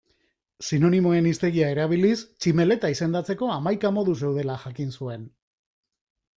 Sinonimoen hiztegia erabiliz tximeleta izendatzeko hamaika modu zeudela jakin zuen.